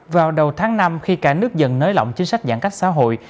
vào đầu tháng năm khi cả nước dần nới lỏng chính sách giãn cách xã hội